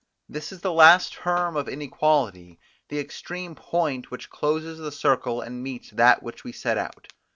This is the last term of inequality, the extreme point which closes the circle and meets that from which we set out.